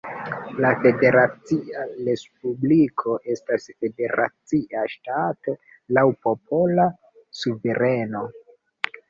La Federacia Respubliko estas federacia ŝtato laŭ popola suvereno.